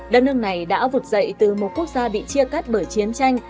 đất nước này đã vụt dậy từ một quốc gia bị chia cắt bởi chiến tranh